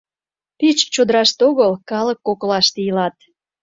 Пич чодраште огыл, калык коклаште илат.